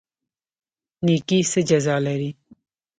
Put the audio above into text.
نیکي څه جزا لري؟